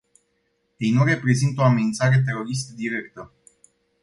Ei nu reprezintă o amenințare teroristă directă.